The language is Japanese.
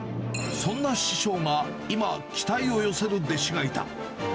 そんな師匠が今、期待を寄せる弟子がいた。